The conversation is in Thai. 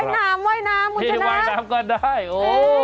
ว่ายน้ำคุณชนะว่ายน้ำก็ได้โอ้